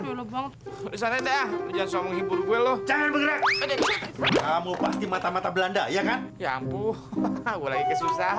banget jangan jangan bergerak pasti mata mata belanda ya kan ya ampuh susah